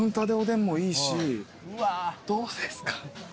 どうですか？